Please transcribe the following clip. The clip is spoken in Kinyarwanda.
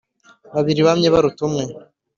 babiri bamye baruta umwe.